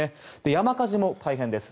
山火事も大変です。